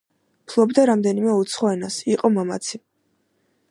ფლობდა რამდენიმე უცხო ენას, იყო მამაცი.